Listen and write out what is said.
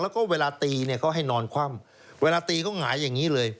แล้วก็เวลาตีเนี่ยเขาให้นอนคว่ำเวลาตีเขาหงายอย่างนี้เลย